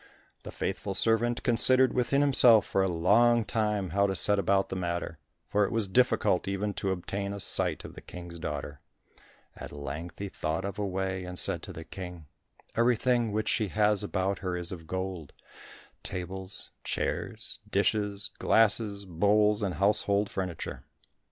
The faithful servant considered within himself for a long time how to set about the matter, for it was difficult even to obtain a sight of the King's daughter. At length he thought of a way, and said to the King, "Everything which she has about her is of gold—tables, chairs, dishes, glasses, bowls, and household furniture.